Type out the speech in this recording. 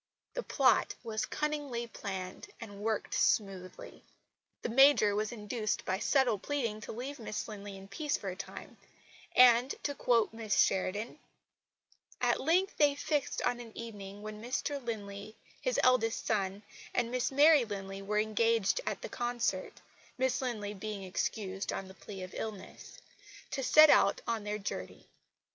The plot was cunningly planned and worked smoothly. The Major was induced by subtle pleading to leave Miss Linley in peace for a time; and, to quote Miss Sheridan: "At length they fixed on an evening when Mr Linley, his eldest son and Miss Mary Linley were engaged at the concert (Miss Linley being excused on the plea of illness) to set out on their journey.